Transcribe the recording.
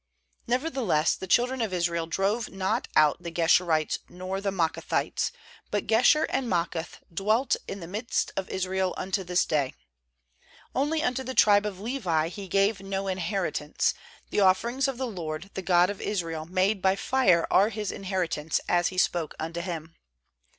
"Nevertheless the children of Israel drove not out the Geshurites, nor the Maacathites; but Geshur and Maacath dwelt in the midst of Israel unto this day. 140nly unto the tribe of ]Levi he gave no inheritance; the offerings of the LOBD, the God of Israel, made by fire are his inheritance, as He spoke unto him.